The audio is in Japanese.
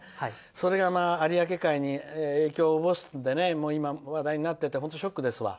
それが有明海に影響を及ぼすので話題になっててショックですわ。